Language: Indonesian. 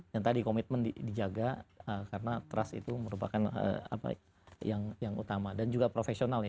yang tadi komitmen dijaga karena trust itu merupakan apa yang utama dan juga profesional ya